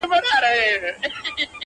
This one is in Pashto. انساني وجدان ګډوډ پاتې کيږي تل-